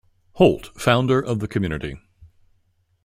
Holt, founder of the community.